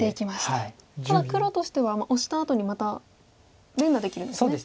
ただ黒としてはオシたあとにまた連打できるんですよね。